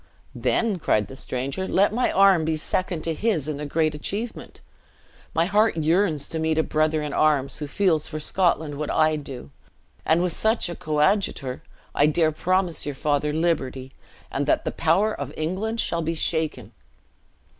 "Then," cried the stranger, "let my arm be second to his in the great achievement. My heart yearns to meet a brother in arms who feels for Scotland what I do; and with such a coadjutor, I dare promise your father liberty, and that the power of England shall be shaken."